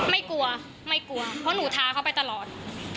ไม่กลัวไม่กลัวเพราะหนูท้าเขาไปตลอด